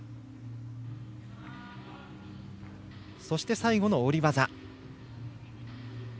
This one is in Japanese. そして最後の下り技。